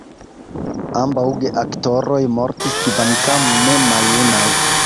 Ambaŭ geaktoroj mortis kvankam ne maljunaj.